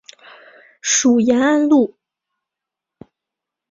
属延安路。